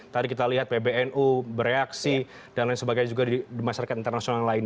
tadi kita lihat pbnu bereaksi dan lain sebagainya juga di masyarakat internasional lain